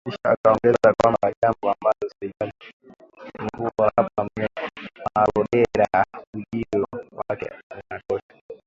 Kisha akaongeza kwamba jambo ambalo serikali hailifahamu ni kuwa hapa Marondera, ujio wake unatosha .